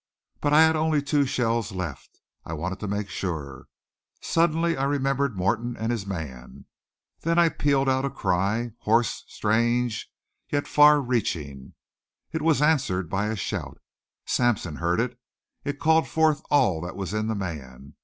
But I had only two shells left. I wanted to make sure. Suddenly I remembered Morton and his man. Then I pealed out a cry hoarse, strange, yet far reaching. It was answered by a shout. Sampson heard it. It called forth all that was in the man.